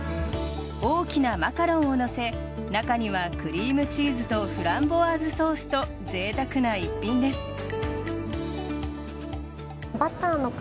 大きなマカロンを載せ中にはクリームチーズとフランボワーズソースとぜいたくな逸品です。